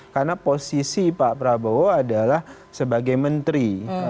karena posisi pak prabowo adalah sebagai menteri